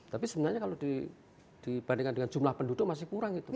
tapi sebenarnya kalau dibandingkan dengan jumlah penduduk masih kurang gitu